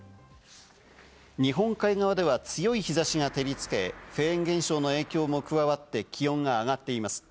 日本海側では強い日差しが照りつけ、フェーン現象の影響も加わって気温が上がっています。